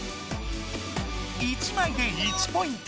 １枚で１ポイント。